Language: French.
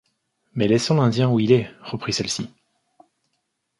Mais laissons l’Indien où il est, reprit celle-ci.